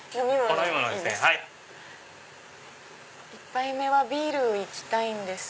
１杯目はビール行きたいです。